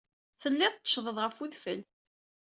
Tellid tetteccged ɣef wedfel.